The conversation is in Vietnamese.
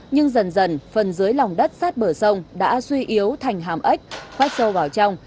nhưng dần dần phần dưới lòng đất sát bờ sông đã suy yếu thành hàm ếch khoét sâu vào trong